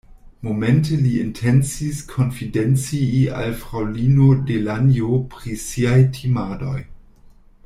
Momente li intencis konfidencii al fraŭlino Delanjo pri siaj timadoj.